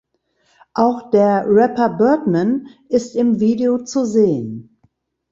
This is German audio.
Auch der Rapper Birdman ist im Video zu sehen.